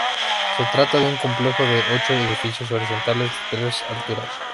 Se trata de un complejo de ocho edificios horizontales de tres alturas.